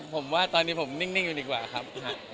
ผมว่าตอนนี้ผมนิ่งอยู่ดีกว่าครับ